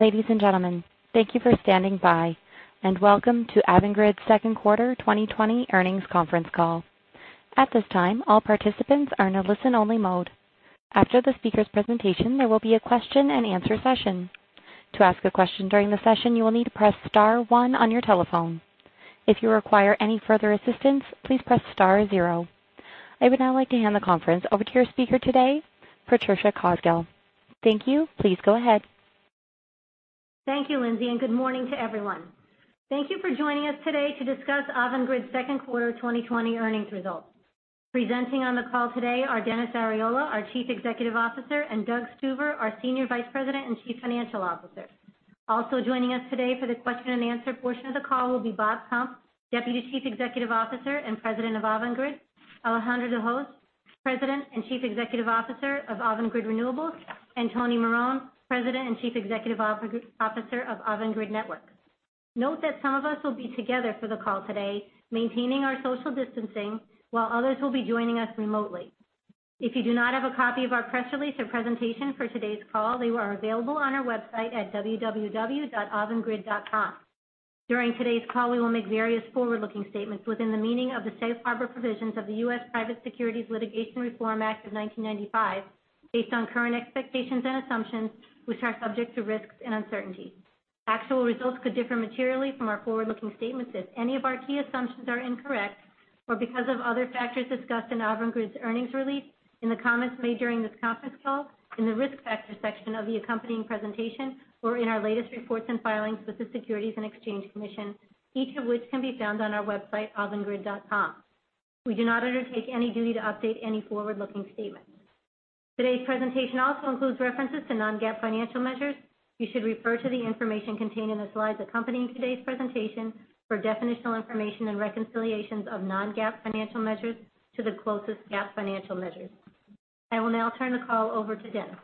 Ladies and gentlemen, thank you for standing by, and welcome to Avangrid's second quarter 2020 earnings conference call. At this time, all participants are in a listen-only mode. After the speaker's presentation, there will be a question and answer session. To ask a question during the session, you will need to press star one on your telephone. If you require any further assistance, please press star zero. I would now like to hand the conference over to your speaker today, Patricia Cosgel. Thank you. Please go ahead. Thank you, Lindsay, and good morning to everyone. Thank you for joining us today to discuss Avangrid's second quarter 2020 earnings results. Presenting on the call today are Dennis Arriola, our Chief Executive Officer, and Doug Stuver, our Senior Vice President and Chief Financial Officer. Also joining us today for the question and answer portion of the call will be Bob Stumpf, Deputy Chief Executive Officer and President of Avangrid, Alejandro de Hoz, President and Chief Executive Officer of Avangrid Renewables, and Tony Marone, President and Chief Executive Officer of Avangrid Networks. Note that some of us will be together for the call today, maintaining our social distancing, while others will be joining us remotely. If you do not have a copy of our press release or presentation for today's call, they are available on our website at www.avangrid.com. During today's call, we will make various forward-looking statements within the meaning of the Safe Harbor Provisions of the U.S. Private Securities Litigation Reform Act of 1995, based on current expectations and assumptions, which are subject to risks and uncertainties. Actual results could differ materially from our forward-looking statements if any of our key assumptions are incorrect, or because of other factors discussed in Avangrid's earnings release, in the comments made during this conference call, in the Risk Factors section of the accompanying presentation, or in our latest reports and filings with the Securities and Exchange Commission, each of which can be found on our website, avangrid.com. We do not undertake any duty to update any forward-looking statements. Today's presentation also includes references to non-GAAP financial measures. You should refer to the information contained in the slides accompanying today's presentation for definitional information and reconciliations of non-GAAP financial measures to the closest GAAP financial measures. I will now turn the call over to Dennis.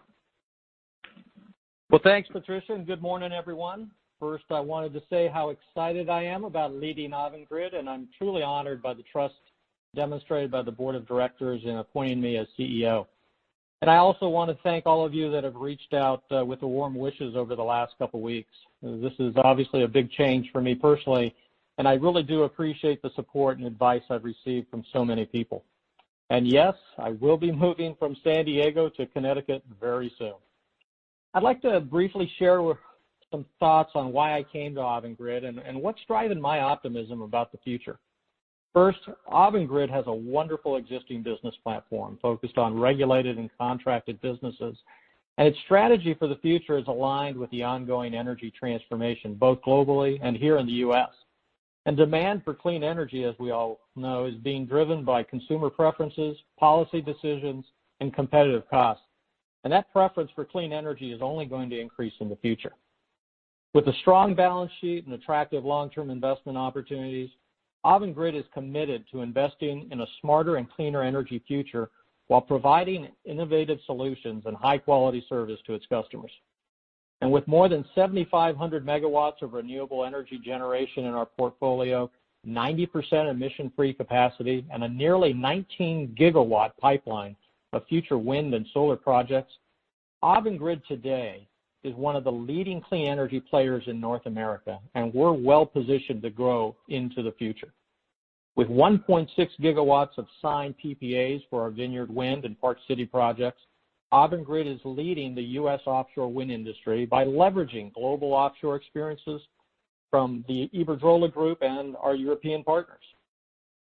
Well, thanks, Patricia. Good morning, everyone. First, I wanted to say how excited I am about leading Avangrid. I'm truly honored by the trust demonstrated by the board of directors in appointing me as CEO. I also want to thank all of you that have reached out with the warm wishes over the last couple of weeks. This is obviously a big change for me personally. I really do appreciate the support and advice I've received from so many people. Yes, I will be moving from San Diego to Connecticut very soon. I'd like to briefly share some thoughts on why I came to Avangrid and what's driving my optimism about the future. First, Avangrid has a wonderful existing business platform focused on regulated and contracted businesses, and its strategy for the future is aligned with the ongoing energy transformation, both globally and here in the U.S. Demand for clean energy, as we all know, is being driven by consumer preferences, policy decisions, and competitive costs. That preference for clean energy is only going to increase in the future. With a strong balance sheet and attractive long-term investment opportunities, Avangrid is committed to investing in a smarter and cleaner energy future while providing innovative solutions and high-quality service to its customers. With more than 7,500 MW of renewable energy generation in our portfolio, 90% emission-free capacity, and a nearly 19 GW pipeline of future wind and solar projects, Avangrid today is one of the leading clean energy players in North America, and we're well-positioned to grow into the future. With 1.6 gigawatts of signed PPAs for our Vineyard Wind and Park City projects, Avangrid is leading the U.S. offshore wind industry by leveraging global offshore experiences from the Iberdrola Group and our European partners.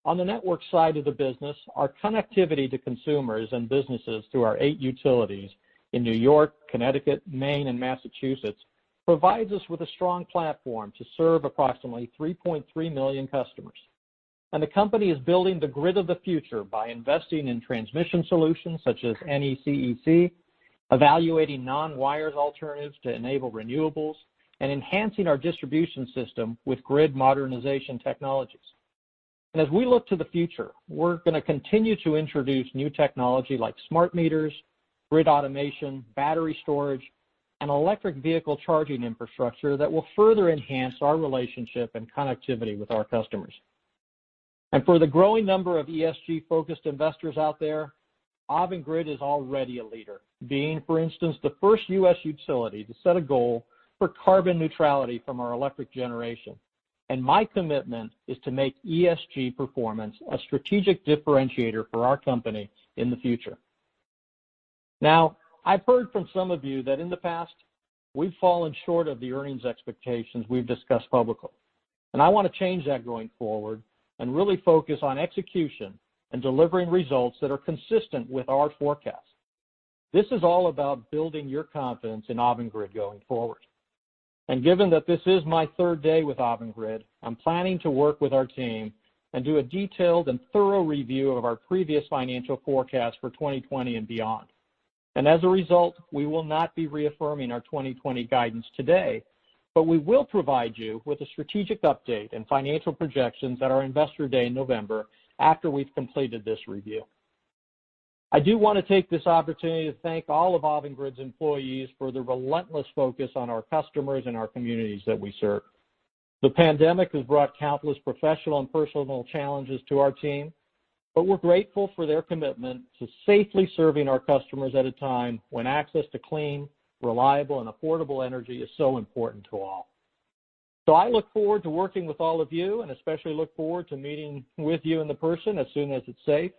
On the network side of the business, our connectivity to consumers and businesses through our eight utilities in New York, Connecticut, Maine, and Massachusetts provides us with a strong platform to serve approximately 3.3 million customers. The company is building the grid of the future by investing in transmission solutions such as NECEC, evaluating non-wire alternatives to enable renewables, and enhancing our distribution system with grid modernization technologies. As we look to the future, we're going to continue to introduce new technology like smart meters, grid automation, battery storage, and electric vehicle charging infrastructure that will further enhance our relationship and connectivity with our customers. For the growing number of ESG-focused investors out there, Avangrid is already a leader, being, for instance, the first U.S. utility to set a goal for carbon neutrality from our electric generation. My commitment is to make ESG performance a strategic differentiator for our company in the future. Now, I've heard from some of you that in the past, we've fallen short of the earnings expectations we've discussed publicly. I want to change that going forward and really focus on execution and delivering results that are consistent with our forecast. This is all about building your confidence in Avangrid going forward. Given that this is my third day with Avangrid, I'm planning to work with our team and do a detailed and thorough review of our previous financial forecast for 2020 and beyond. As a result, we will not be reaffirming our 2020 guidance today, but we will provide you with a strategic update and financial projections at our Investor Day in November after we've completed this review. I do want to take this opportunity to thank all of Avangrid's employees for the relentless focus on our customers and our communities that we serve. The pandemic has brought countless professional and personal challenges to our team, but we're grateful for their commitment to safely serving our customers at a time when access to clean, reliable, and affordable energy is so important to all. I look forward to working with all of you, and especially look forward to meeting with you in the person as soon as it's safe.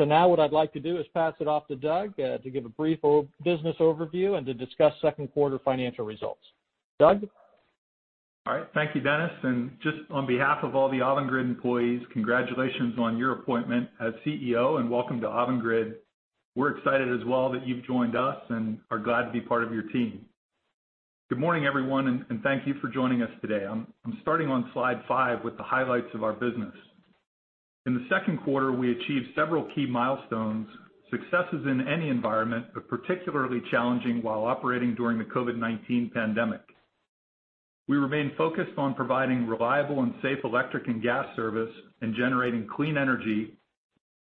Now what I'd like to do is pass it off to Doug to give a brief business overview and to discuss second quarter financial results. Doug? All right. Thank you, Dennis, and just on behalf of all the Avangrid employees, congratulations on your appointment as CEO and welcome to Avangrid. We're excited as well that you've joined us and are glad to be part of your team. Good morning, everyone, and thank you for joining us today. I'm starting on slide five with the highlights of our business. In the second quarter, we achieved several key milestones, successes in any environment, but particularly challenging while operating during the COVID-19 pandemic. We remain focused on providing reliable and safe electric and gas service and generating clean energy,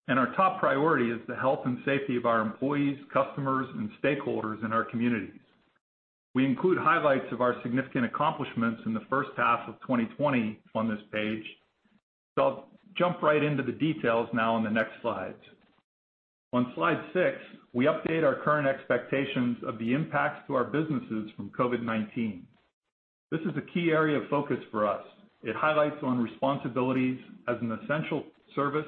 and our top priority is the health and safety of our employees, customers, and stakeholders in our communities. We include highlights of our significant accomplishments in the first half of 2020 on this page. I'll jump right into the details now on the next slides. On slide six, we update our current expectations of the impacts to our businesses from COVID-19. This is a key area of focus for us. It highlights our responsibilities as an essential service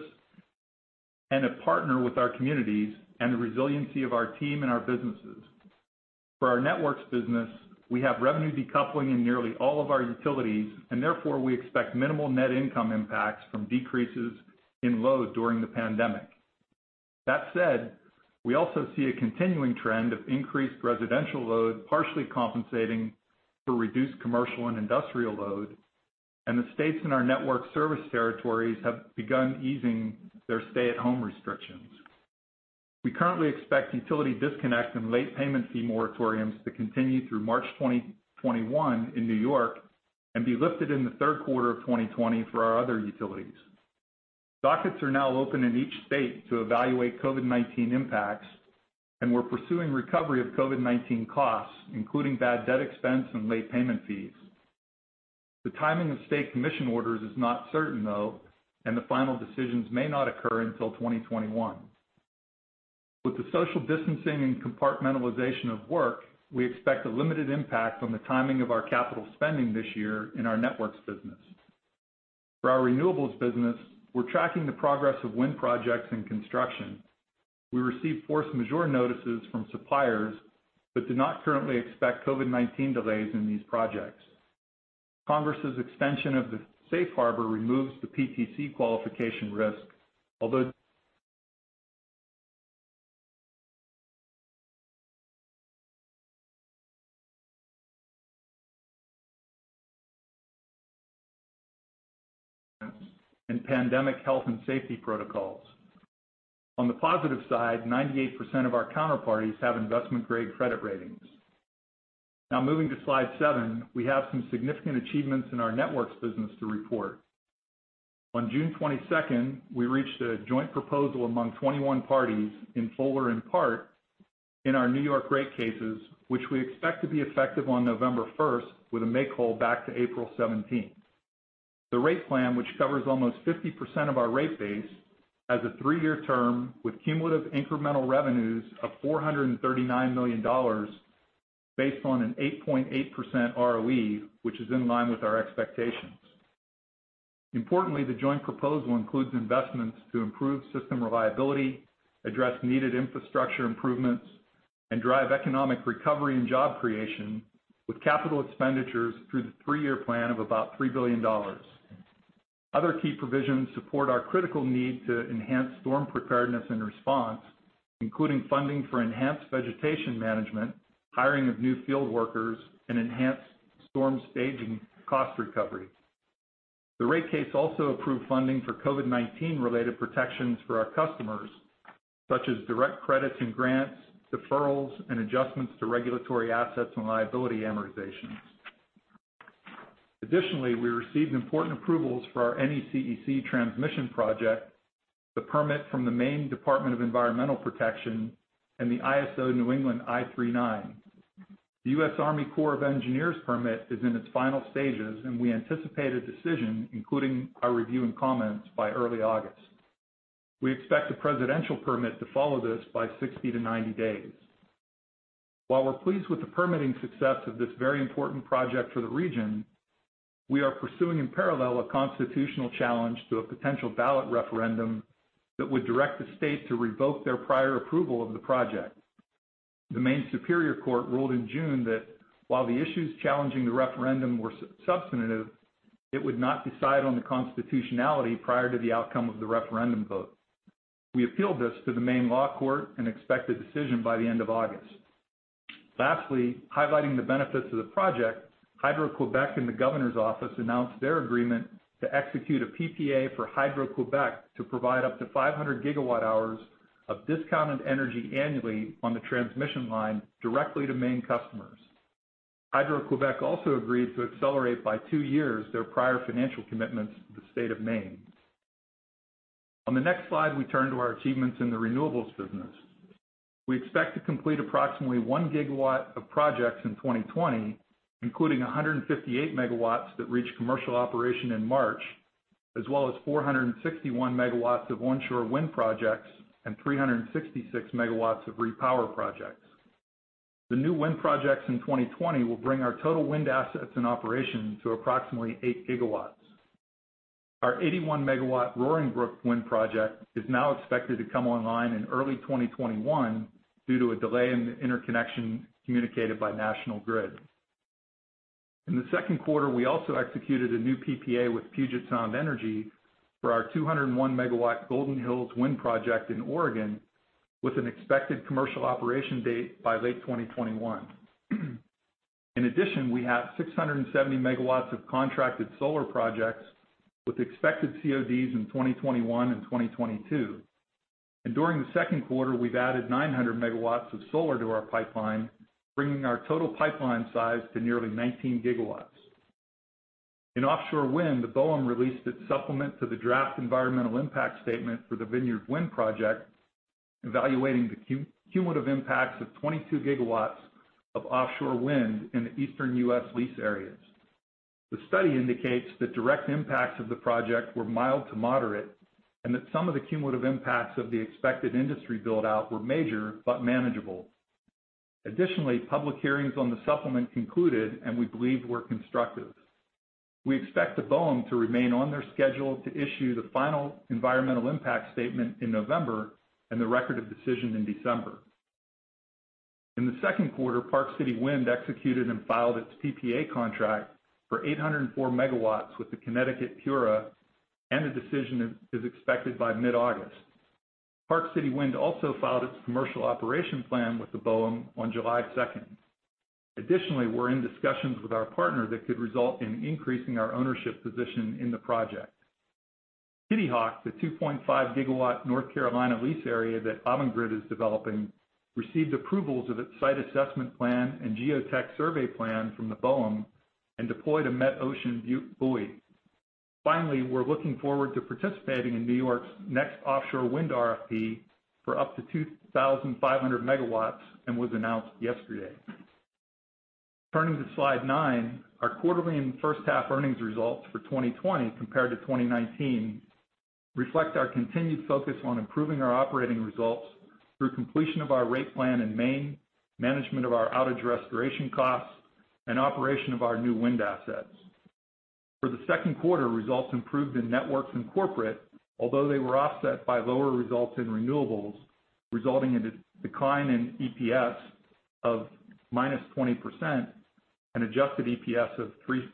and a partner with our communities, and the resiliency of our team and our businesses. For our Networks business, we have revenue decoupling in nearly all of our utilities, and therefore, we expect minimal net income impacts from decreases in load during the pandemic. That said, we also see a continuing trend of increased residential load partially compensating for reduced commercial and industrial load, and the states in our Networks service territories have begun easing their stay-at-home restrictions. We currently expect utility disconnect and late payment fee moratoriums to continue through March 2021 in New York, and be lifted in the third quarter of 2020 for our other utilities. Dockets are now open in each state to evaluate COVID-19 impacts, and we're pursuing recovery of COVID-19 costs, including bad debt expense and late payment fees. The timing of state commission orders is not certain, though, and the final decisions may not occur until 2021. With the social distancing and compartmentalization of work, we expect a limited impact on the timing of our capital spending this year in our Networks business. For our Renewables business, we're tracking the progress of wind projects and construction. We received force majeure notices from suppliers but do not currently expect COVID-19 delays in these projects. Congress's extension of the safe harbor removes the PTC qualification risk and pandemic health and safety protocols. On the positive side, 98% of our counterparties have investment-grade credit ratings. Moving to slide seven, we have some significant achievements in our Networks business to report. On June 22nd, we reached a joint proposal among 21 parties in full or in part in our New York rate cases, which we expect to be effective on November 1st, with a make-whole back to April 17th. The rate plan, which covers almost 50% of our rate base, has a three-year term with cumulative incremental revenues of $439 million based on an 8.8% ROE, which is in line with our expectations. Importantly, the joint proposal includes investments to improve system reliability, address needed infrastructure improvements, and drive economic recovery and job creation with capital expenditures through the three-year plan of about $3 billion. Other key provisions support our critical need to enhance storm preparedness and response, including funding for enhanced vegetation management, hiring of new field workers, and enhanced storm staging cost recovery. The rate case also approved funding for COVID-19 related protections for our customers, such as direct credits and grants, deferrals, and adjustments to regulatory assets and liability amortizations. Additionally, we received important approvals for our NECEC transmission project, the permit from the Maine Department of Environmental Protection, and the ISO New England Section I.3.9. The U.S. Army Corps of Engineers permit is in its final stages, and we anticipate a decision, including our review and comments, by early August. We expect the presidential permit to follow this by 60 to 90 days. While we're pleased with the permitting success of this very important project for the region, we are pursuing in parallel a constitutional challenge through a potential ballot referendum that would direct the state to revoke their prior approval of the project. The Maine Superior Court ruled in June that while the issues challenging the referendum were substantive, it would not decide on the constitutionality prior to the outcome of the referendum vote. We appealed this to the Maine Law Court and expect a decision by the end of August. Lastly, highlighting the benefits of the project, Hydro-Québec and the Governor's Office announced their agreement to execute a PPA for Hydro-Québec to provide up to 500 gigawatt hours of discounted energy annually on the transmission line directly to Maine customers. Hydro-Québec also agreed to accelerate by two years their prior financial commitments to the state of Maine. On the next slide, we turn to our achievements in the renewables business. We expect to complete approximately one gigawatt of projects in 2020, including 158 megawatts that reached commercial operation in March, as well as 461 megawatts of onshore wind projects and 366 megawatts of repower projects. The new wind projects in 2020 will bring our total wind assets in operation to approximately eight gigawatts. Our 81-megawatt Roaring Brook Wind project is now expected to come online in early 2021 due to a delay in the interconnection communicated by National Grid. In the second quarter, we also executed a new PPA with Puget Sound Energy for our 201-megawatt Golden Hills Wind Project in Oregon, with an expected commercial operation date by late 2021. In addition, we have 670 megawatts of contracted solar projects with expected CODs in 2021 and 2022. During the second quarter, we've added 900 megawatts of solar to our pipeline, bringing our total pipeline size to nearly 19 gigawatts. In offshore wind, the BOEM released its supplement to the draft environmental impact statement for the Vineyard Wind project, evaluating the cumulative impacts of 22 gigawatts of offshore wind in the eastern U.S. lease areas. The study indicates that direct impacts of the project were mild to moderate, and that some of the cumulative impacts of the expected industry build-out were major, but manageable. Additionally, public hearings on the supplement concluded and we believe were constructive. We expect the BOEM to remain on their schedule to issue the final environmental impact statement in November and the record of decision in December. In the second quarter, Park City Wind executed and filed its PPA contract for 804 megawatts with the Connecticut PURA, and a decision is expected by mid-August. Park City Wind also filed its commercial operation plan with the BOEM on July 2nd. Additionally, we're in discussions with our partner that could result in increasing our ownership position in the project. Kitty Hawk, the 2.5-gigawatt North Carolina lease area that Avangrid is developing, received approvals of its site assessment plan and geotech survey plan from the BOEM and deployed a MetOcean buoy. Finally, we're looking forward to participating in New York's next offshore wind RFP for up to 2,500 megawatts, and was announced yesterday. Turning to slide nine, our quarterly and first-half earnings results for 2020 compared to 2019 reflect our continued focus on improving our operating results through completion of our rate plan in Maine, management of our outage restoration costs, and operation of our new wind assets. For the second quarter, results improved in Networks and corporate, although they were offset by lower results in Renewables, resulting in a decline in EPS of -20% and adjusted EPS of 3%.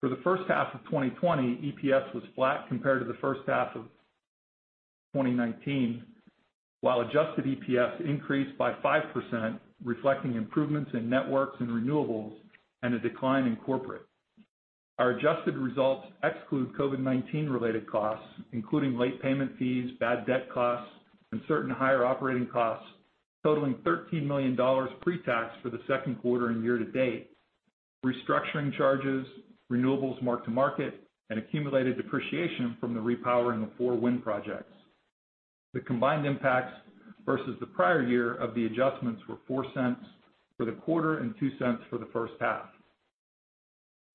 For the first half of 2020, EPS was flat compared to the first half of 2019, while adjusted EPS increased by 5%, reflecting improvements in Networks and Renewables and a decline in corporate. Our adjusted results exclude COVID-19-related costs, including late payment fees, bad debt costs, and certain higher operating costs totaling $13 million pre-tax for the second quarter and year to date, restructuring charges, renewables mark-to-market, and accumulated depreciation from the repowering of four wind projects. The combined impacts versus the prior year of the adjustments were $0.04 for the quarter and $0.02 for the first half.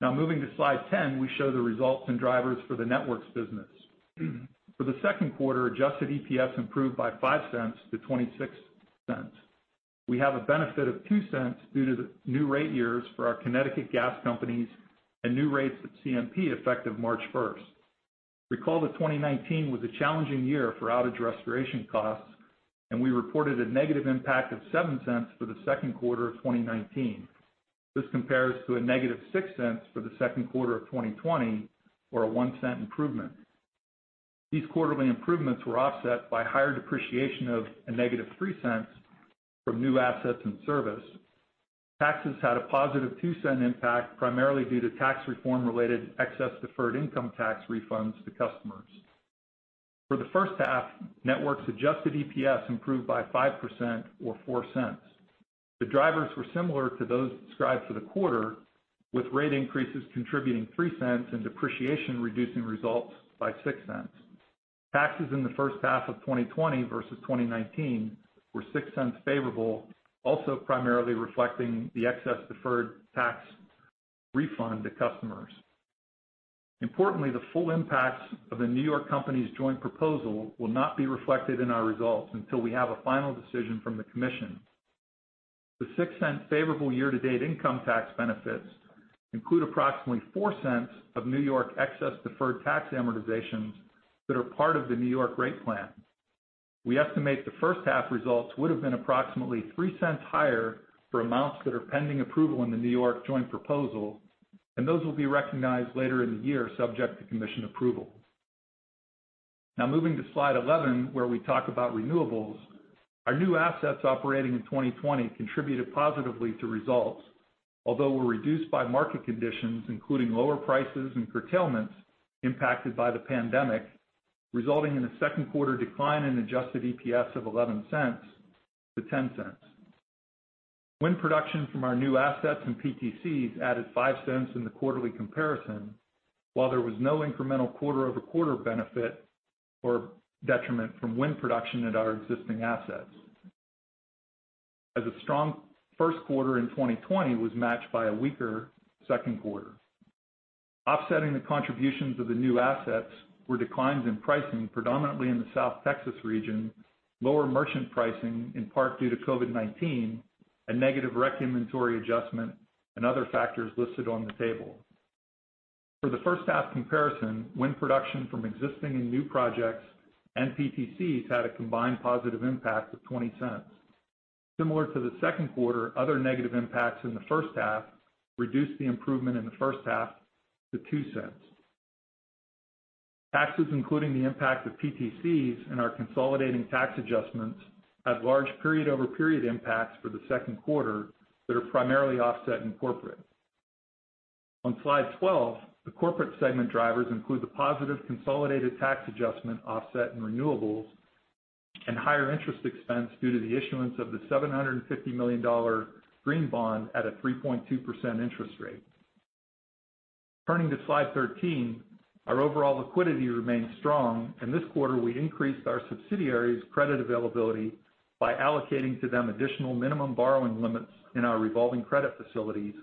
Moving to slide 10, we show the results and drivers for the networks business. For the second quarter, adjusted EPS improved by $0.05 to $0.26. We have a benefit of $0.02 due to the new rate years for our Connecticut gas companies and new rates at CMP effective March 1st. Recall that 2019 was a challenging year for outage restoration costs, and we reported a negative impact of $0.07 for the second quarter of 2019. This compares to a negative $0.06 for the second quarter of 2020, or a $0.01 improvement. These quarterly improvements were offset by higher depreciation of a negative $0.03 from new assets and service. Taxes had a positive $0.02 impact, primarily due to tax reform-related excess deferred income tax refunds to customers. For the first half, Networks adjusted EPS improved by 5% or $0.04. The drivers were similar to those described for the quarter, with rate increases contributing $0.03 and depreciation reducing results by $0.06. Taxes in the first half of 2020 versus 2019 were $0.06 favorable, also primarily reflecting the excess deferred tax refund to customers. Importantly, the full impacts of the New York company's joint proposal will not be reflected in our results until we have a final decision from the Commission. The $0.06 favorable year-to-date income tax benefits include approximately $0.04 of New York excess deferred tax amortizations that are part of the New York rate plan. We estimate the first half results would have been approximately $0.03 higher for amounts that are pending approval in the New York joint proposal, those will be recognized later in the year, subject to Commission approval. Moving to slide 11, where we talk about renewables. Our new assets operating in 2020 contributed positively to results, although were reduced by market conditions, including lower prices and curtailments impacted by the pandemic, resulting in a second quarter decline in adjusted EPS of $0.11 to $0.10. Wind production from our new assets and PTCs added $0.05 in the quarterly comparison, while there was no incremental quarter-over-quarter benefit or detriment from wind production at our existing assets, as a strong first quarter in 2020 was matched by a weaker second quarter. Offsetting the contributions of the new assets were declines in pricing, predominantly in the South Texas region, lower merchant pricing, in part due to COVID-19, a negative REC inventory adjustment, and other factors listed on the table. For the first half comparison, wind production from existing and new projects and PTCs had a combined positive impact of $0.20. Similar to the second quarter, other negative impacts in the first half reduced the improvement in the first half to $0.02. Taxes, including the impact of PTCs and our consolidating tax adjustments, had large period-over-period impacts for the second quarter that are primarily offset in corporate. On slide 12, the corporate segment drivers include the positive consolidated tax adjustment offset in renewables and higher interest expense due to the issuance of the $750 million green bond at a 3.2% interest rate. Turning to slide 13, our overall liquidity remains strong. In this quarter, we increased our subsidiaries' credit availability by allocating to them additional minimum borrowing limits in our revolving credit facilities,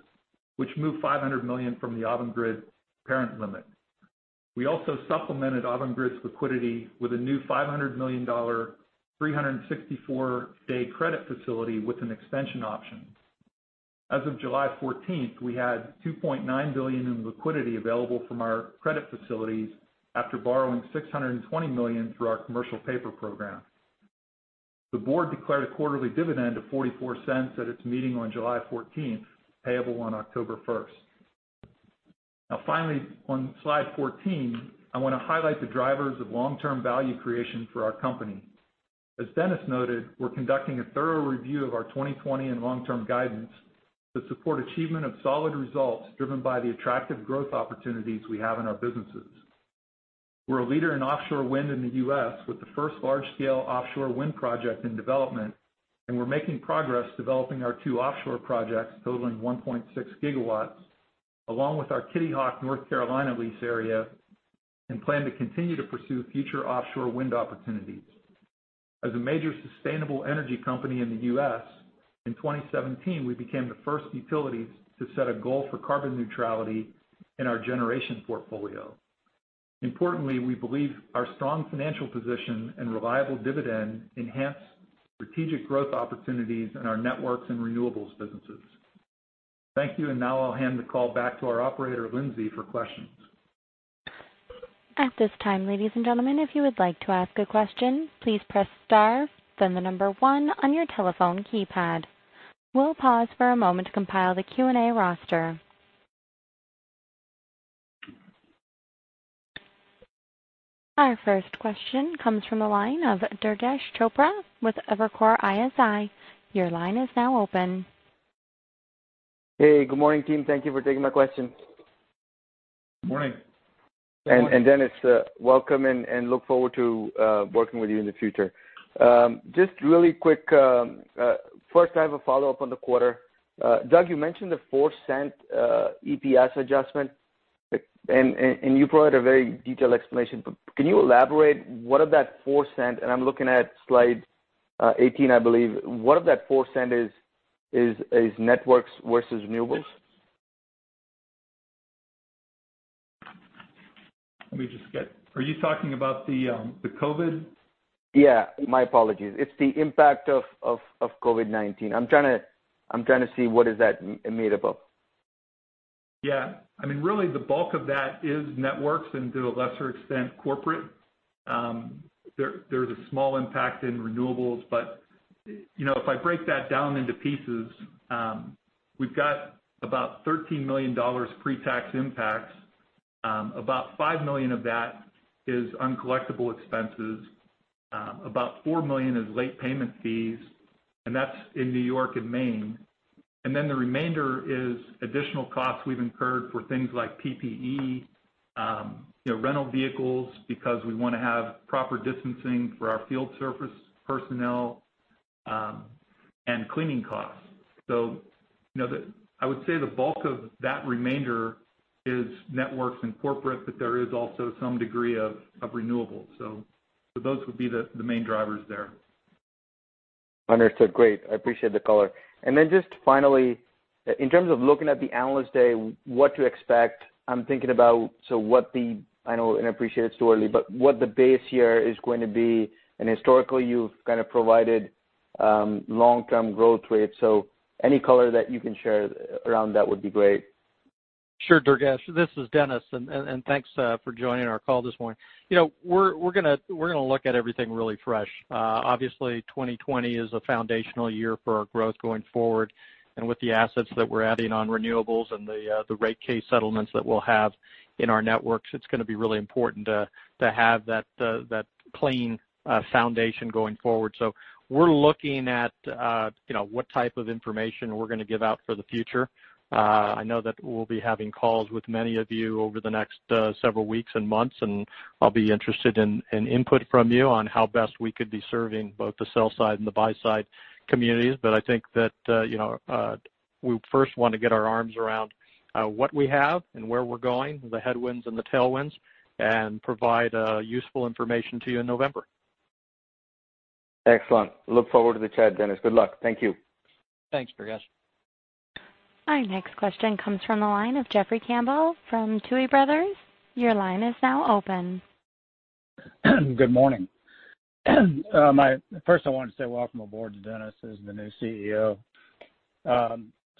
which moved $500 million from the Avangrid parent limit. We also supplemented Avangrid's liquidity with a new $500 million, 364-day credit facility with an extension option. As of July 14th, we had $2.9 billion in liquidity available from our credit facilities after borrowing $620 million through our commercial paper program. The board declared a quarterly dividend of $0.44 at its meeting on July 14th, payable on October 1st. Finally, on slide 14, I want to highlight the drivers of long-term value creation for our company. As Dennis noted, we're conducting a thorough review of our 2020 and long-term guidance to support achievement of solid results driven by the attractive growth opportunities we have in our businesses. We're a leader in offshore wind in the U.S., with the first large-scale offshore wind project in development, and we're making progress developing our two offshore projects totaling 1.6 gigawatts, along with our Kitty Hawk, North Carolina lease area, and plan to continue to pursue future offshore wind opportunities. As a major sustainable energy company in the U.S., in 2017, we became the first utility to set a goal for carbon neutrality in our generation portfolio. Importantly, we believe our strong financial position and reliable dividend enhance strategic growth opportunities in our networks and renewables businesses. Thank you. Now I'll hand the call back to our operator, Lindsay, for questions. At this time, ladies and gentlemen, if you would like to ask a question, please press star, then the number 1 on your telephone keypad. We'll pause for a moment to compile the Q&A roster. Our first question comes from the line of Durgesh Chopra with Evercore ISI. Your line is now open. Hey, good morning team. Thank you for taking my question. Morning. Dennis, welcome, and look forward to working with you in the future. Just really quick, first I have a follow-up on the quarter. Doug, you mentioned the $0.04 EPS adjustment. You provided a very detailed explanation. Can you elaborate what of that $0.04, and I am looking at slide 18, I believe, what of that $0.04 is networks versus renewables? Are you talking about the COVID? Yeah, my apologies. It's the impact of COVID-19. I'm trying to see what is that made up of. Yeah. Really the bulk of that is Networks and to a lesser extent, corporate. There's a small impact in Renewables, but if I break that down into pieces, we've got about $13 million pre-tax impact. About $5 million of that is uncollectible expenses. About $4 million is late payment fees, and that's in New York and Maine. The remainder is additional costs we've incurred for things like PPE, rental vehicles, because we want to have proper distancing for our field service personnel, and cleaning costs. I would say the bulk of that remainder is Networks and corporate, but there is also some degree of Renewables. Those would be the main drivers there. Understood. Great. I appreciate the color. Then just finally, in terms of looking at the Analyst Day, what to expect, I'm thinking about, I know and appreciate it's too early, but what the base year is going to be, and historically you've kind of provided long-term growth rates. Any color that you can share around that would be great. Sure, Durgesh. This is Dennis. Thanks for joining our call this morning. We're going to look at everything really fresh. Obviously 2020 is a foundational year for our growth going forward. With the assets that we're adding on renewables and the rate case settlements that we'll have in our networks, it's going to be really important to have that clean foundation going forward. We're looking at what type of information we're going to give out for the future. I know that we'll be having calls with many of you over the next several weeks and months. I'll be interested in input from you on how best we could be serving both the sell side and the buy side communities. I think that we first want to get our arms around what we have and where we're going, the headwinds and the tailwinds, and provide useful information to you in November. Excellent. Look forward to the chat, Dennis. Good luck. Thank you. Thanks, Durgesh. Our next question comes from the line of Jeffrey Campbell from Tuohy Brothers. Your line is now open. Good morning. First I want to say welcome aboard to Dennis as the new CEO.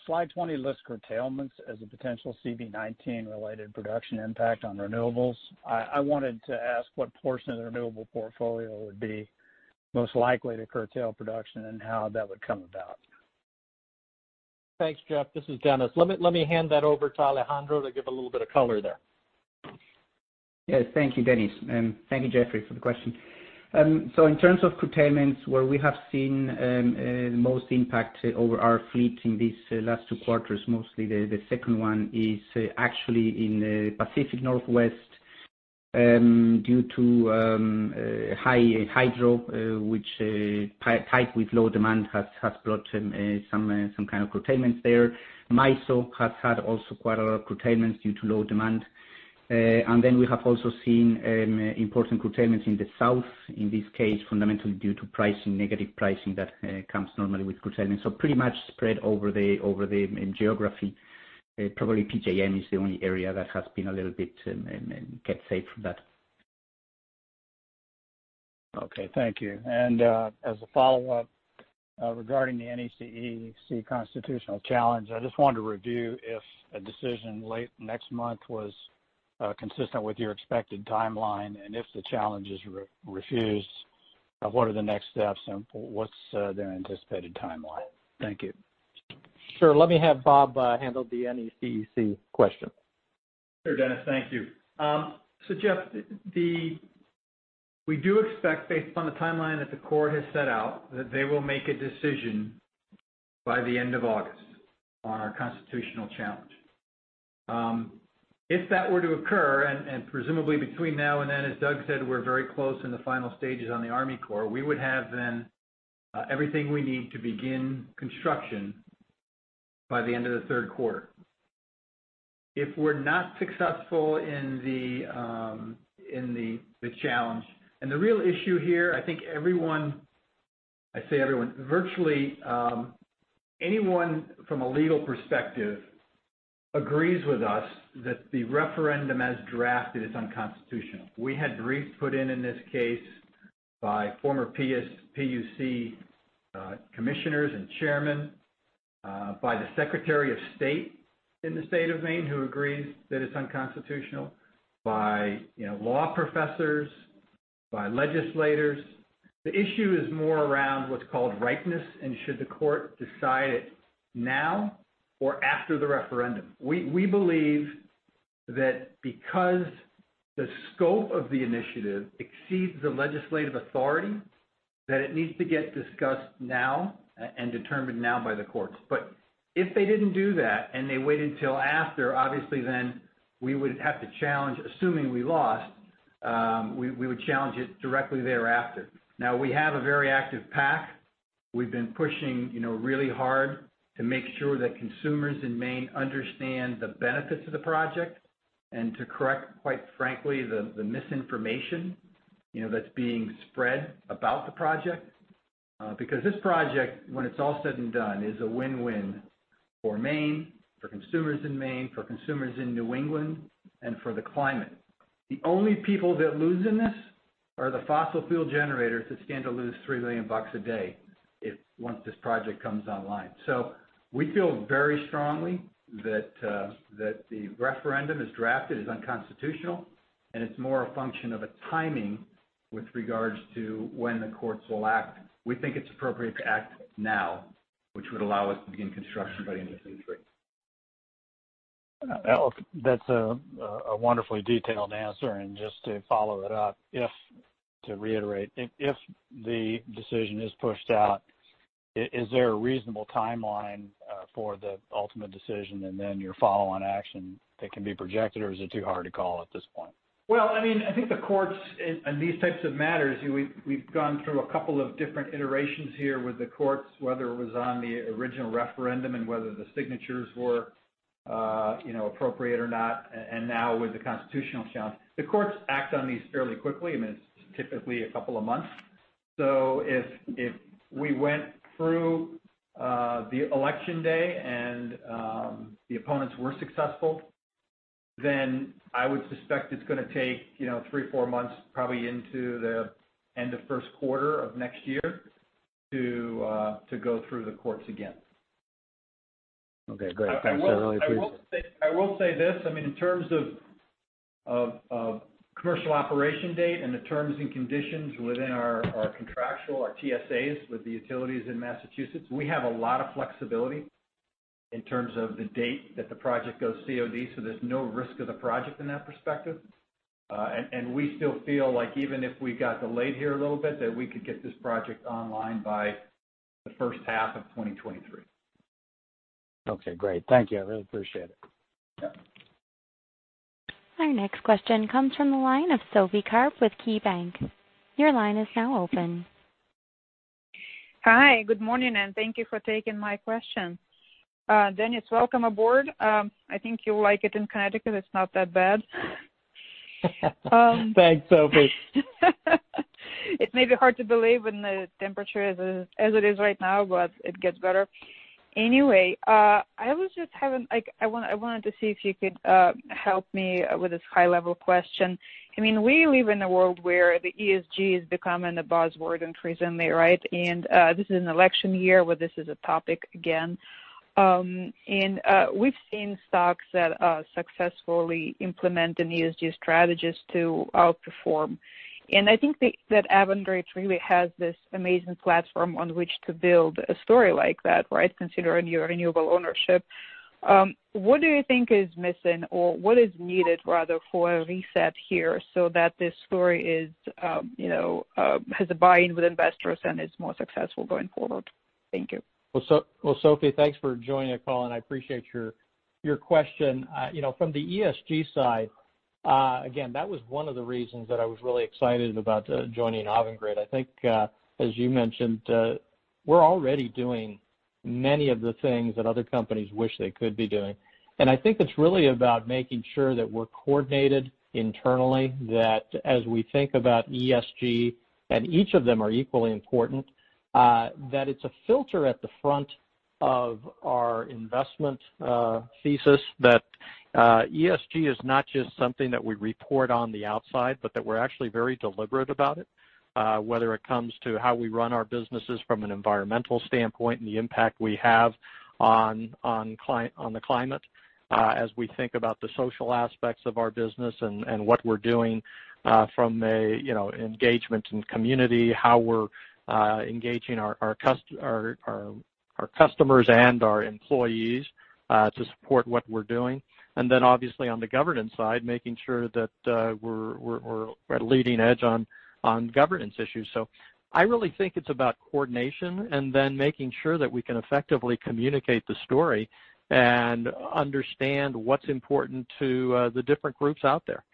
Slide 20 lists curtailments as a potential COVID-19 related production impact on renewables. I wanted to ask what portion of the renewable portfolio would be most likely to curtail production and how that would come about. Thanks, Jeff. This is Dennis. Let me hand that over to Alejandro to give a little bit of color there. Yes. Thank you, Dennis, and thank you, Jeffrey, for the question. In terms of curtailments, where we have seen the most impact over our fleet in these last 2 quarters, mostly the second one, is actually in the Pacific Northwest, due to high hydro, which type with low demand has brought some kind of curtailments there. MISO has had also quite a lot of curtailments due to low demand. We have also seen important curtailments in the South, in this case, fundamentally due to negative pricing that comes normally with curtailment. Pretty much spread over the geography. Probably PJM is the only area that has been a little bit kept safe from that. Okay. Thank you. As a follow-up, regarding the NECEC constitutional challenge, I just wanted to review if a decision late next month was consistent with your expected timeline. If the challenge is refused, what are the next steps and what's their anticipated timeline? Thank you. Sure. Let me have Bob handle the NECEC question. Dennis. Thank you. Jeff, we do expect, based upon the timeline that the court has set out, that they will make a decision by the end of August on our constitutional challenge. If that were to occur, presumably between now and then, as Doug said, we're very close in the final stages on the Army Corps, we would have everything we need to begin construction by the end of the third quarter. If we're not successful in the challenge. The real issue here, I think everyone, I say everyone, virtually anyone from a legal perspective agrees with us that the referendum as drafted is unconstitutional. We had briefs put in in this case by former PUC commissioners and chairmen, by the Secretary of State in the state of Maine, who agrees that it's unconstitutional, by law professors, by legislators. The issue is more around what's called ripeness, and should the court decide it now or after the referendum. We believe that because the scope of the initiative exceeds the legislative authority, that it needs to get discussed now and determined now by the courts. If they didn't do that and they waited till after, obviously then we would have to challenge, assuming we lost, we would challenge it directly thereafter. We have a very active PAC. We've been pushing really hard to make sure that consumers in Maine understand the benefits of the project and to correct, quite frankly, the misinformation that's being spread about the project. This project, when it's all said and done, is a win-win for Maine, for consumers in Maine, for consumers in New England, and for the climate. The only people that lose in this are the fossil fuel generators that stand to lose $3 million a day once this project comes online. We feel very strongly that the referendum as drafted is unconstitutional, and it's more a function of a timing with regards to when the courts will act. We think it's appropriate to act now, which would allow us to begin construction by the end of Q3. That's a wonderfully detailed answer. Just to follow it up, to reiterate, if the decision is pushed out, is there a reasonable timeline for the ultimate decision and then your follow-on action that can be projected, or is it too hard to call at this point? Well, I think the courts in these types of matters, we've gone through a couple of different iterations here with the courts, whether it was on the original referendum and whether the signatures were appropriate or not, and now with the constitutional challenge. The courts act on these fairly quickly, it's typically a couple of months. If we went through the election day and the opponents were successful, then I would suspect it's going to take three, four months, probably into the end of first quarter of next year to go through the courts again. Okay, great. Thanks. I really appreciate it. I will say this, in terms of commercial operation date and the terms and conditions within our contractual, our TSAs with the utilities in Massachusetts, we have a lot of flexibility in terms of the date that the project goes COD, there's no risk of the project in that perspective. We still feel like even if we got delayed here a little bit, that we could get this project online by the first half of 2023. Okay, great. Thank you. I really appreciate it. Yeah. Our next question comes from the line of Sophie Karp with KeyBank. Your line is now open. Hi. Good morning, thank you for taking my question. Dennis, welcome aboard. I think you'll like it in Connecticut. It's not that bad. Thanks, Sophie. It may be hard to believe when the temperature is as it is right now, but it gets better. Anyway, I wanted to see if you could help me with this high-level question. We live in a world where the ESG has become a buzzword increasingly, right? This is an election year where this is a topic again. We've seen stocks that successfully implement an ESG strategist to outperform. I think that Avangrid really has this amazing platform on which to build a story like that, right? Considering your renewable ownership. What do you think is missing or what is needed, rather, for a reset here so that this story has a buy-in with investors and is more successful going forward? Thank you. Well, Sophie, thanks for joining the call, and I appreciate your question. From the ESG side, again, that was one of the reasons that I was really excited about joining Avangrid. I think, as you mentioned, we're already doing many of the things that other companies wish they could be doing. I think it's really about making sure that we're coordinated internally, that as we think about ESG, and each of them are equally important, that it's a filter at the front of our investment thesis. That ESG is not just something that we report on the outside, but that we're actually very deliberate about it, whether it comes to how we run our businesses from an environmental standpoint and the impact we have on the climate. As we think about the social aspects of our business and what we're doing from engagement in community, how we're engaging our customers and our employees to support what we're doing. Obviously on the governance side, making sure that we're leading edge on governance issues. I really think it's about coordination and then making sure that we can effectively communicate the story and understand what's important to the different groups out there.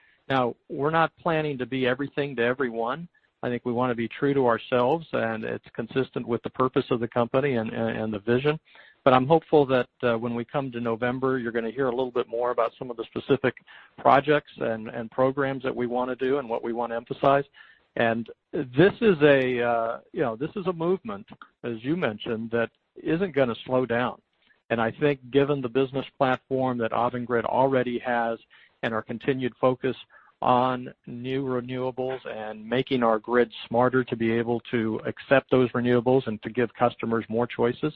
We're not planning to be everything to everyone. I think we want to be true to ourselves, and it's consistent with the purpose of the company and the vision. I'm hopeful that when we come to November, you're going to hear a little bit more about some of the specific projects and programs that we want to do and what we want to emphasize. This is a movement, as you mentioned, that isn't going to slow down. I think given the business platform that Avangrid already has and our continued focus on new renewables and making our grid smarter to be able to accept those renewables and to give customers more choices,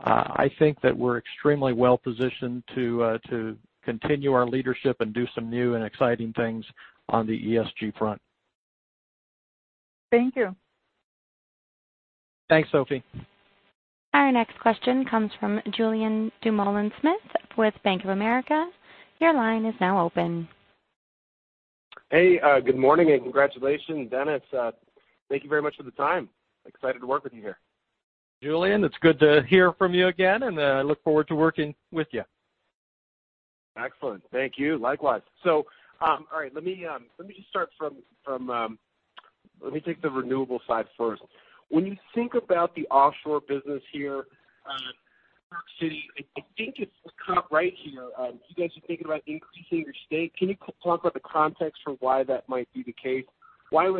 I think that we're extremely well-positioned to continue our leadership and do some new and exciting things on the ESG front. Thank you. Thanks, Sophie. Our next question comes from Julien Dumoulin-Smith with Bank of America. Your line is now open. Hey, good morning and congratulations, Dennis. Thank you very much for the time. Excited to work with you here. Julien, it's good to hear from you again, and I look forward to working with you. Excellent. Thank you. Likewise. All right. Let me just take the renewable side first. When you think about the offshore business here, I think it's right here. You guys are thinking about increasing your stake. Can you talk about the context for why that might be the case? Let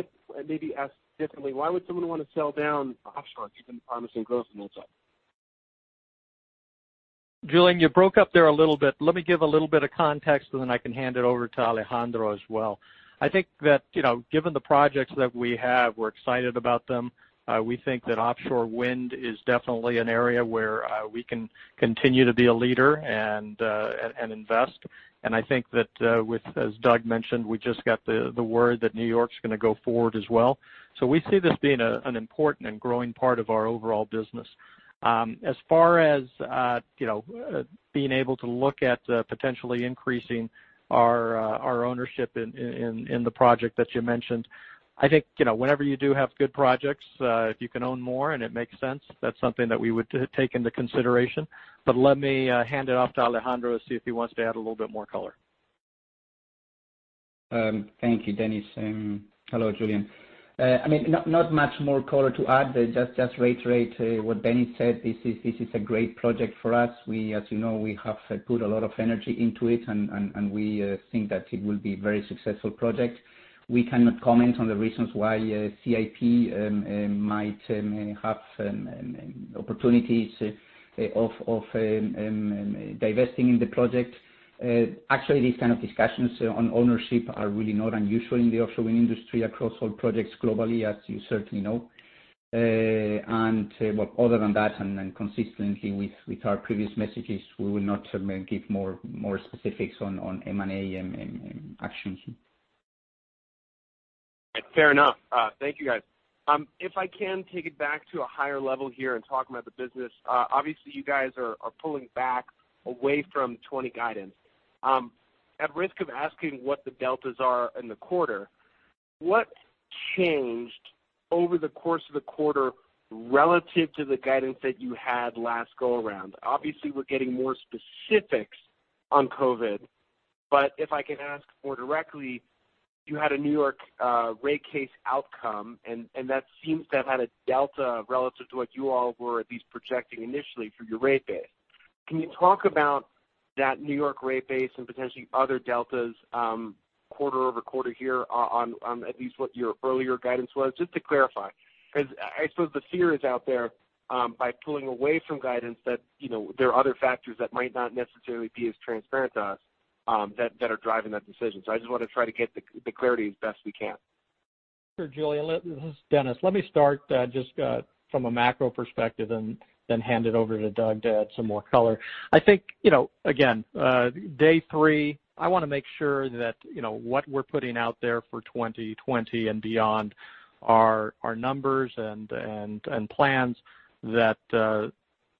me ask differently. Why would someone want to sell down offshore given the promising growth in those? Julien, you broke up there a little bit. Let me give a little bit of context, and then I can hand it over to Alejandro as well. I think that, given the projects that we have, we're excited about them. We think that offshore wind is definitely an area where we can continue to be a leader and invest. I think that, as Doug mentioned, we just got the word that New York's going to go forward as well. We see this being an important and growing part of our overall business. As far as being able to look at potentially increasing our ownership in the project that you mentioned, I think, whenever you do have good projects, if you can own more and it makes sense, that's something that we would take into consideration. Let me hand it off to Alejandro, see if he wants to add a little bit more color. Thank you, Dennis. Hello, Julien. Not much more color to add. Just reiterate what Dennis said. This is a great project for us. As you know, we have put a lot of energy into it, and we think that it will be a very successful project. We cannot comment on the reasons why CIP might have opportunities of divesting in the project. Actually, these kind of discussions on ownership are really not unusual in the offshore wind industry across all projects globally, as you certainly know. Other than that, and consistently with our previous messages, we will not give more specifics on M&A actions. Fair enough. Thank you, guys. If I can take it back to a higher level here and talk about the business. Obviously, you guys are pulling back away from 2020 guidance. At risk of asking what the deltas are in the quarter, what changed over the course of the quarter relative to the guidance that you had last go around? Obviously, we're getting more specifics on COVID-19. If I can ask more directly, you had a New York rate case outcome, and that seems to have had a delta relative to what you all were at least projecting initially for your rate base. Can you talk about that New York rate base and potentially other deltas quarter-over-quarter here on at least what your earlier guidance was, just to clarify? I suppose the fear is out there, by pulling away from guidance that there are other factors that might not necessarily be as transparent to us that are driving that decision. I just want to try to get the clarity as best we can. Sure, Julien. This is Dennis. Let me start just from a macro perspective and then hand it over to Doug to add some more color. I think, again, day three, I want to make sure that what we're putting out there for 2020 and beyond are numbers and plans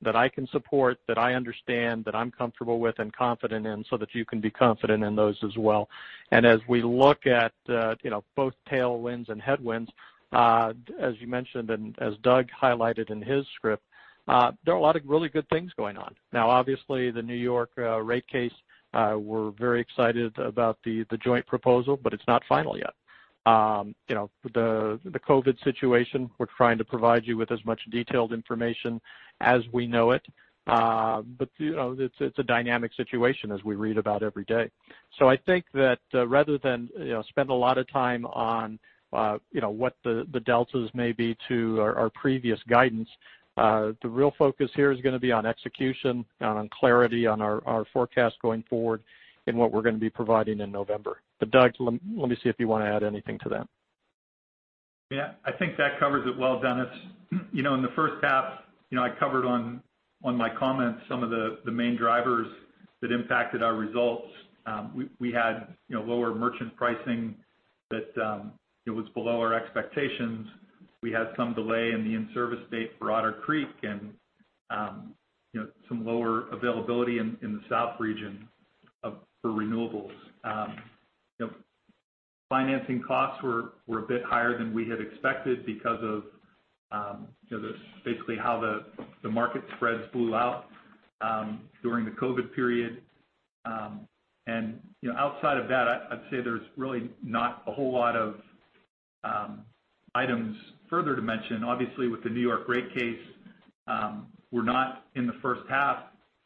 that I can support, that I understand, that I'm comfortable with and confident in, so that you can be confident in those as well. As we look at both tailwinds and headwinds, as you mentioned and as Doug highlighted in his script, there are a lot of really good things going on. Now, obviously, the New York rate case, we're very excited about the joint proposal, but it's not final yet. The COVID situation, we're trying to provide you with as much detailed information as we know it. It's a dynamic situation as we read about every day. I think that rather than spend a lot of time on what the deltas may be to our previous guidance, the real focus here is going to be on execution, on clarity on our forecast going forward, and what we're going to be providing in November. Doug, let me see if you want to add anything to that. Yeah. I think that covers it well, Dennis. In the first half, I covered on my comments some of the main drivers that impacted our results. We had lower merchant pricing that was below our expectations. We had some delay in the in-service date for Otter Creek and some lower availability in the south region for renewables. Financing costs were a bit higher than we had expected because of basically how the market spreads blew out during the COVID period. Outside of that, I'd say there's really not a whole lot of items further to mention. Obviously, with the New York rate case, we're not in the first half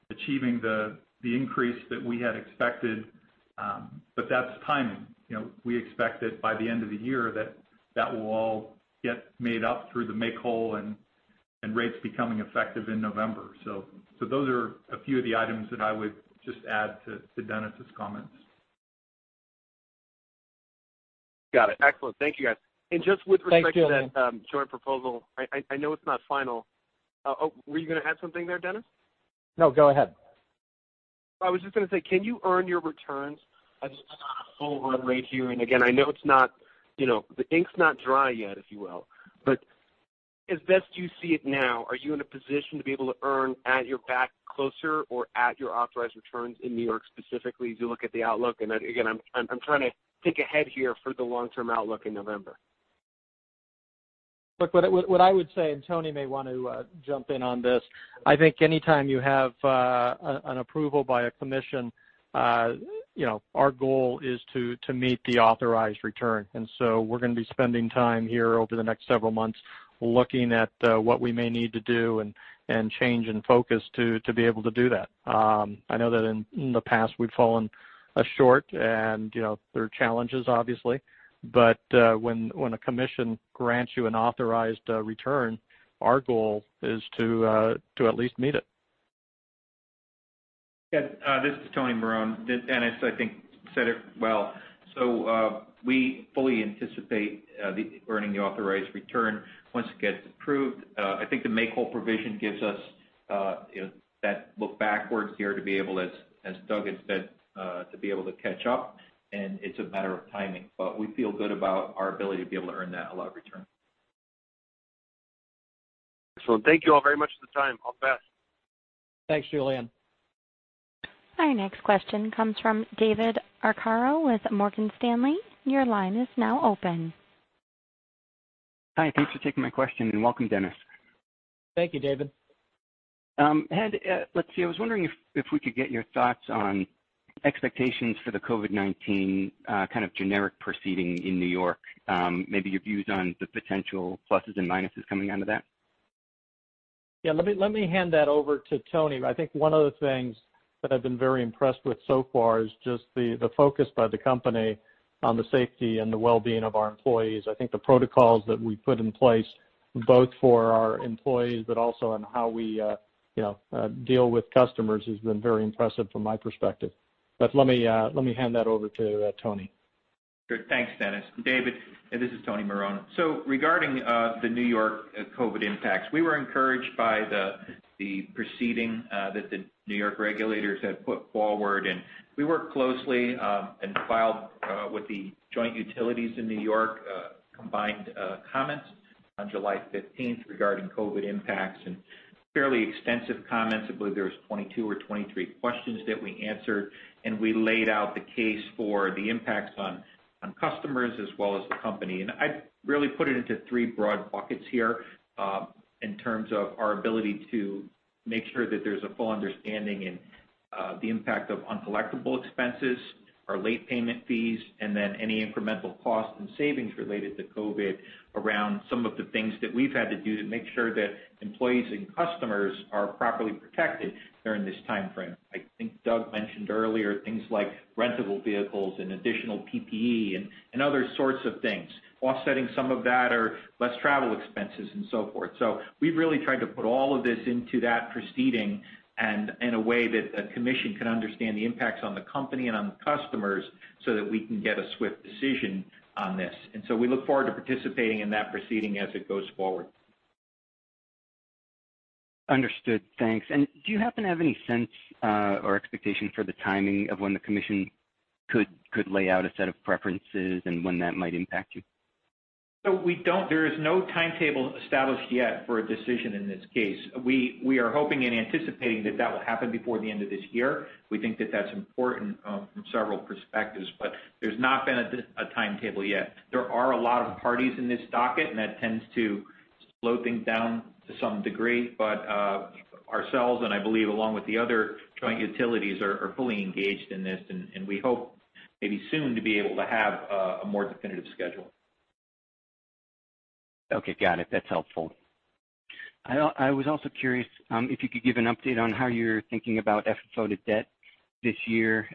achieving the increase that we had expected. That's timing. We expect that by the end of the year that that will all get made up through the make-whole and rates becoming effective in November. Those are a few of the items that I would just add to Dennis' comments. Got it. Excellent. Thank you, guys. Thanks, Julien. to that joint proposal, I know it's not final. Were you going to add something there, Dennis? No, go ahead. I was just going to say, can you earn your returns on a full run rate here? Again, I know the ink's not dry yet, if you will. As best you see it now, are you in a position to be able to earn at your back closer or at your authorized returns in New York specifically as you look at the outlook? Again, I'm trying to think ahead here for the long-term outlook in November. Look, what I would say, and Tony may want to jump in on this, I think anytime you have an approval by a commission, our goal is to meet the authorized return. We're going to be spending time here over the next several months looking at what we may need to do and change in focus to be able to do that. I know that in the past, we've fallen short and there are challenges, obviously. When a commission grants you an authorized return, our goal is to at least meet it. Yes. This is Tony Marone. Dennis, I think, said it well. We fully anticipate earning the authorized return once it gets approved. I think the make-whole provision gives us that look backwards here to be able, as Doug had said, to be able to catch up, and it's a matter of timing. We feel good about our ability to be able to earn that allowed return. Excellent. Thank you all very much for the time. All the best. Thanks, Julien. Our next question comes from David Arcaro with Morgan Stanley. Your line is now open. Hi, thanks for taking my question, and welcome, Dennis. Thank you, David. Let's see. I was wondering if we could get your thoughts on expectations for the COVID-19 kind of generic proceeding in New York, maybe your views on the potential pluses and minuses coming out of that. Yeah, let me hand that over to Tony. I think one of the things that I've been very impressed with so far is just the focus by the company on the safety and the well-being of our employees. I think the protocols that we put in place, both for our employees, but also on how we deal with customers, has been very impressive from my perspective. Let me hand that over to Tony. Sure. Thanks, Dennis. David, this is Tony Marone. Regarding the New York COVID impacts, we were encouraged by the proceeding that the New York regulators had put forward, and we worked closely and filed with the joint utilities in New York combined comments on July 15th regarding COVID impacts, and fairly extensive comments. I believe there was 22 or 23 questions that we answered, and we laid out the case for the impacts on customers as well as the company. I'd really put it into three broad buckets here in terms of our ability to make sure that there's a full understanding and the impact of uncollectible expenses, our late payment fees, and then any incremental costs and savings related to COVID around some of the things that we've had to do to make sure that employees and customers are properly protected during this timeframe. I think Doug mentioned earlier things like rentable vehicles and additional PPE and other sorts of things. Offsetting some of that are less travel expenses and so forth. We've really tried to put all of this into that proceeding in a way that a commission can understand the impacts on the company and on the customers so that we can get a swift decision on this. We look forward to participating in that proceeding as it goes forward. Understood. Thanks. Do you happen to have any sense or expectation for the timing of when the commission could lay out a set of preferences and when that might impact you? We don't. There is no timetable established yet for a decision in this case. We are hoping and anticipating that that will happen before the end of this year. We think that that's important from several perspectives. There's not been a timetable yet. There are a lot of parties in this docket, and that tends to slow things down to some degree. Ourselves, and I believe along with the other joint utilities, are fully engaged in this, and we hope maybe soon to be able to have a more definitive schedule. Okay, got it. That's helpful. I was also curious if you could give an update on how you're thinking about FFO to debt this year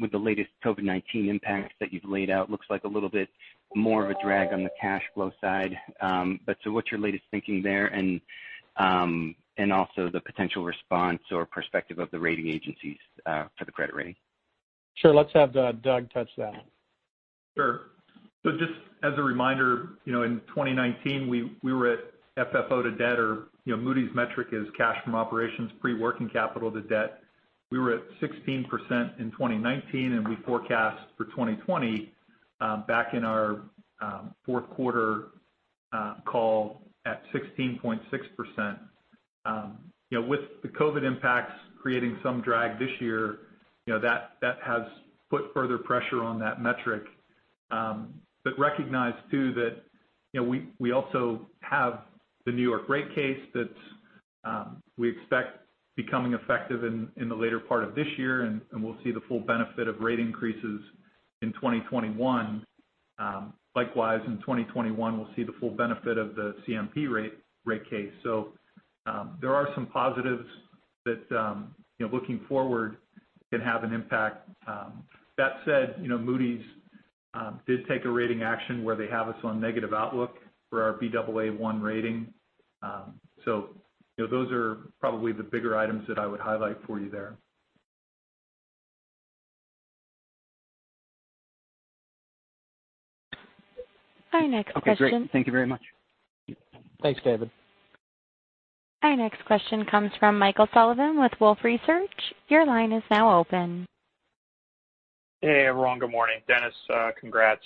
with the latest COVID-19 impacts that you've laid out. Looks like a little bit more of a drag on the cash flow side. What's your latest thinking there, and also the potential response or perspective of the rating agencies for the credit rating? Sure, let's have Doug touch that. Sure. Just as a reminder, in 2019, we were at FFO to debt, or Moody's metric is cash from operations, pre-working capital to debt. We were at 16% in 2019, and we forecast for 2020, back in our fourth quarter call, at 16.6%. With the COVID impacts creating some drag this year, that has put further pressure on that metric. Recognize too that we also have the New York rate case that we expect becoming effective in the later part of this year, and we'll see the full benefit of rate increases in 2021. Likewise, in 2021, we'll see the full benefit of the CMP rate case. There are some positives that, looking forward, can have an impact. That said, Moody's did take a rating action where they have us on negative outlook for our Baa1 rating. Those are probably the bigger items that I would highlight for you there. Our next question. Okay, great. Thank you very much. Thanks, David. Our next question comes from Michael Sullivan with Wolfe Research. Your line is now open. Hey, everyone. Good morning. Dennis, congrats.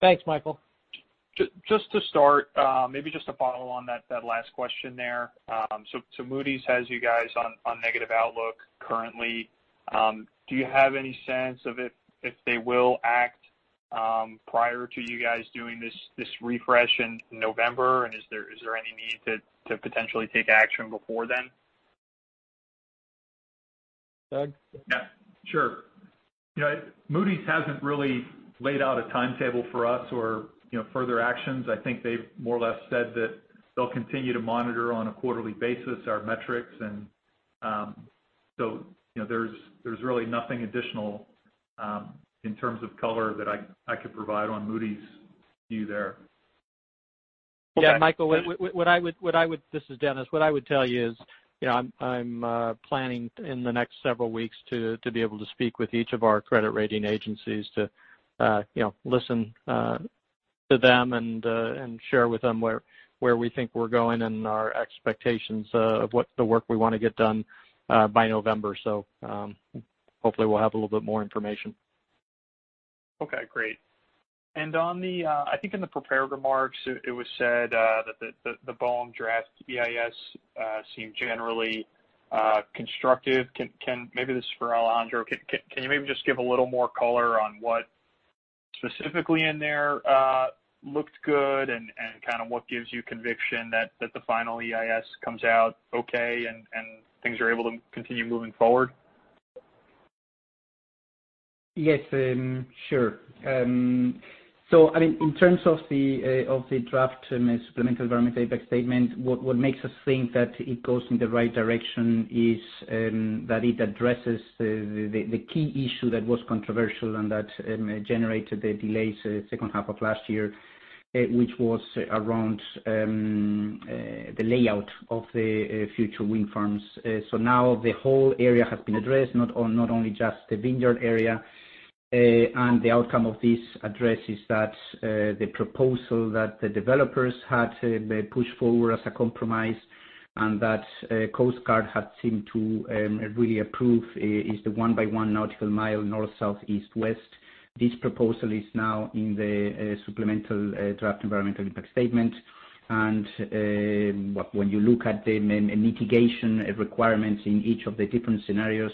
Thanks, Michael. Just to start, maybe just to follow on that last question there. Moody's has you guys on negative outlook currently. Do you have any sense of if they will act prior to you guys doing this refresh in November? Is there any need to potentially take action before then? Doug? Yeah, sure. Moody's hasn't really laid out a timetable for us or further actions. I think they've more or less said that they'll continue to monitor on a quarterly basis our metrics. There's really nothing additional in terms of color that I could provide on Moody's view there. Yeah, Michael, this is Dennis. What I would tell you is I'm planning in the next several weeks to be able to speak with each of our credit rating agencies to listen to them and share with them where we think we're going and our expectations of what the work we want to get done by November. Hopefully we'll have a little bit more information. I think in the prepared remarks, it was said that the BOEM draft EIS seemed generally constructive. Maybe this is for Alejandro. Can you maybe just give a little more color on what specifically in there looked good, and kind of what gives you conviction that the final EIS comes out okay and things are able to continue moving forward? Yes, sure. In terms of the draft supplemental environmental impact statement, what makes us think that it goes in the right direction is that it addresses the key issue that was controversial and that generated the delays the second half of last year, which was around the layout of the future wind farms. Now the whole area has been addressed, not only just the Vineyard area. The outcome of this addresses that the proposal that the developers had pushed forward as a compromise and that Coast Guard had seemed to really approve is the one-by-one nautical mile, north, south, east, west. This proposal is now in the supplemental draft environmental impact statement. When you look at the mitigation requirements in each of the different scenarios,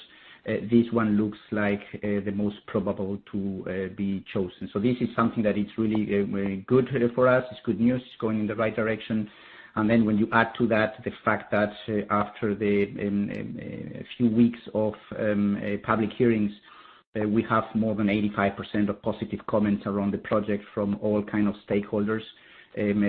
this one looks like the most probable to be chosen. This is something that is really good for us. It's good news. It's going in the right direction. When you add to that the fact that after a few weeks of public hearings, we have more than 85% of positive comments around the project from all kind of stakeholders.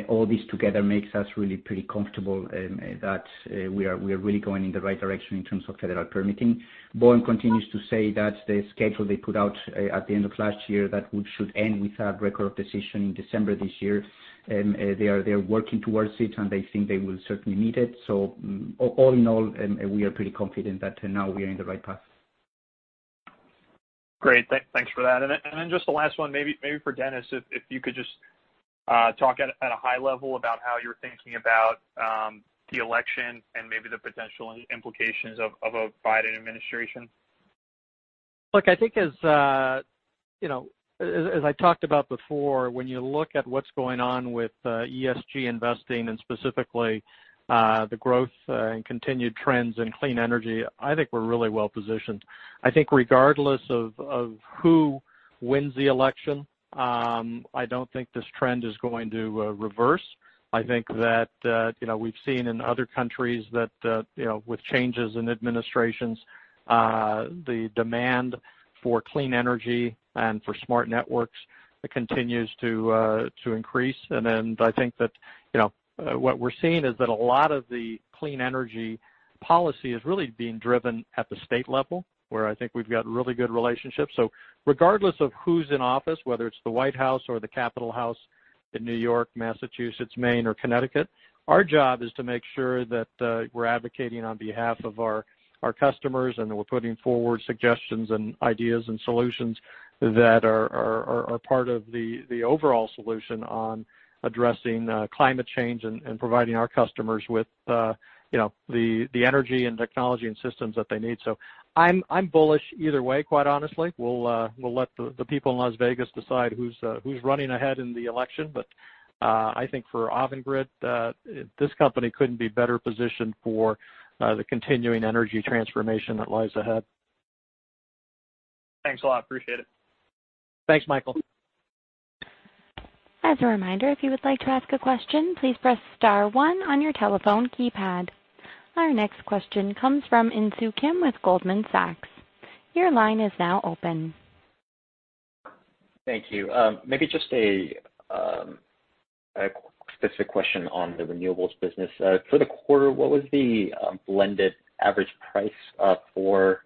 All this together makes us really pretty comfortable that we are really going in the right direction in terms of federal permitting. BOEM continues to say that the schedule they put out at the end of last year, that should end with a Record of Decision in December this year. They are working towards it, and they think they will certainly meet it. All in all, we are pretty confident that now we are in the right path. Great. Thanks for that. Just the last one, maybe for Dennis, if you could just talk at a high level about how you're thinking about the election and maybe the potential implications of a Biden administration. Look, I think as I talked about before, when you look at what's going on with ESG investing and specifically the growth and continued trends in clean energy, I think we're really well-positioned. I think regardless of who wins the election, I don't think this trend is going to reverse. I think that we've seen in other countries that with changes in administrations, the demand for clean energy and for smart networks continues to increase. I think that what we're seeing is that a lot of the clean energy policy is really being driven at the state level, where I think we've got really good relationships. Regardless of who's in office, whether it's the White House or the New York State Capitol in N.Y., Massachusetts, Maine, or Connecticut, our job is to make sure that we're advocating on behalf of our customers, and we're putting forward suggestions and ideas and solutions that are part of the overall solution on addressing climate change and providing our customers with the energy and technology and systems that they need. I'm bullish either way, quite honestly. We'll let the people in Las Vegas decide who's running ahead in the election. I think for Avangrid, this company couldn't be better positioned for the continuing energy transformation that lies ahead. Thanks a lot. Appreciate it. Thanks, Michael. As a reminder, if you would like to ask a question, please press star one on your telephone keypad. Our next question comes from Insoo Kim with Goldman Sachs. Your line is now open. Thank you. Maybe just a specific question on the renewables business. For the quarter, what was the blended average price for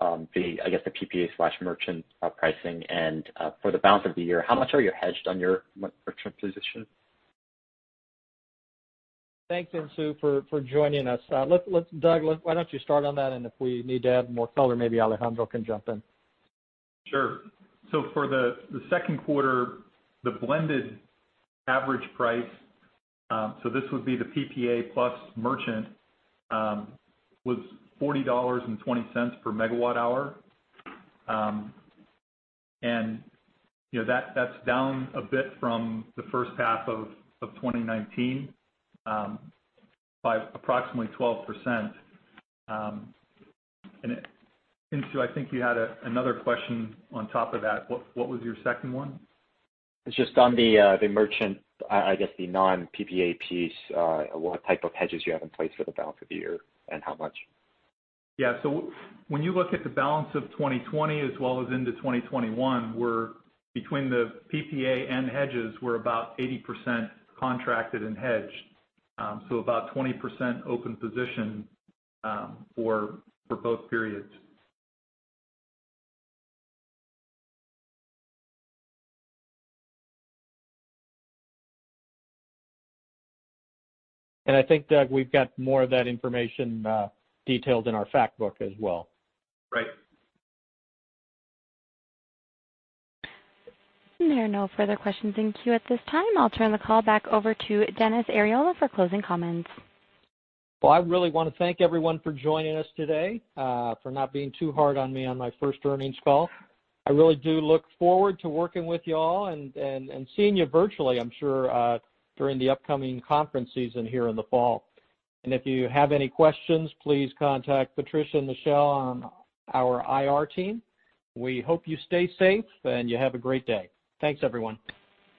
the, I guess, the PPA/merchant pricing? For the balance of the year, how much are you hedged on your merchant position? Thanks, Insoo, for joining us. Doug, why don't you start on that, and if we need to add more color, maybe Alejandro can jump in. Sure. For the second quarter, the blended average price, so this would be the PPA plus merchant, was $40.20 per megawatt hour. That's down a bit from the first half of 2019 by approximately 12%. Insoo, I think you had another question on top of that. What was your second one? It's just on the merchant, I guess the non-PPA piece, what type of hedges you have in place for the balance of the year, and how much? When you look at the balance of 2020 as well as into 2021, between the PPA and hedges, we're about 80% contracted and hedged. About 20% open position for both periods. I think, Doug, we've got more of that information detailed in our fact book as well. Right. There are no further questions in queue at this time. I'll turn the call back over to Dennis Arriola for closing comments. Well, I really want to thank everyone for joining us today, for not being too hard on me on my first earnings call. I really do look forward to working with you all and seeing you virtually, I'm sure, during the upcoming conference season here in the fall. If you have any questions, please contact Patricia and Michelle on our IR team. We hope you stay safe, and you have a great day. Thanks, everyone.